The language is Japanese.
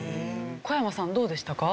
小山さんどうでしたか？